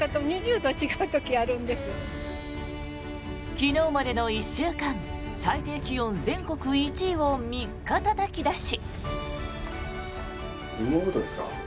昨日までの１週間、最低気温全国１位を３日たたき出し。